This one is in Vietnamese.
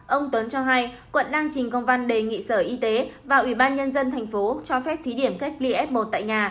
ông tuấn cho hay quận đang trình công văn đề nghị sở y tế và ủy ban nhân dân thành phố cho phép thí điểm cách ly f một tại nhà